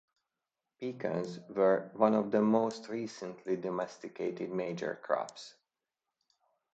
Pecans were one of the most recently domesticated major crops.